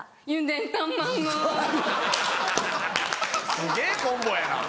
すげぇコンボやな。